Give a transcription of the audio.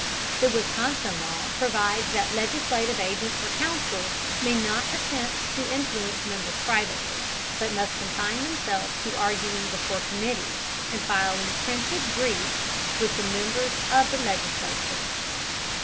The Wisconsin law provides that legislative agents or counsels may not attempt to influence members privately, but must confine themselves to arguing before committees and filing printed briefs with the members of the legislature.